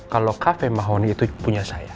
kalau kafe mahoni itu punya saya